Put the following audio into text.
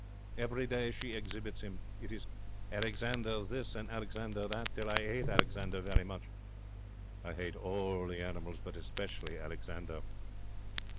Every day she exhibits him. It is 'Alexander this' and 'Alexander that', till I 'ate Alexander very much. I 'ate all the animals, but especially Alexander.